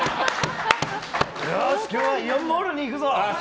よし今日はイオンモールに行くぞ！